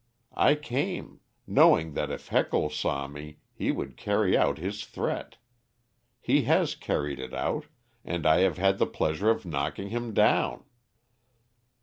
I came, knowing that if Heckle saw me he would carry out his threat. He has carried it out, and I have had the pleasure of knocking him down."